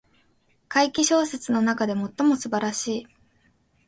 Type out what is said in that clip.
怪奇小説の中で最も素晴らしい